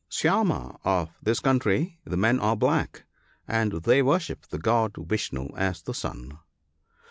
(Syama) of this country the men are black, and they worship the God Vishnoo, as the sun.